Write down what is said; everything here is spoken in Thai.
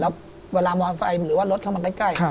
แล้วเวลามอนไฟหรือว่ารถเข้ามาใกล้